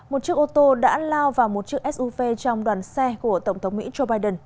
một chiếc ô tô đã lao vào một chiếc suv trong đoàn xe của tổng thống mỹ joe biden